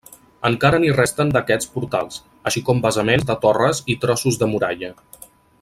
Encara n'hi resten d'aquests portals, així com basaments de torres i trossos de muralla.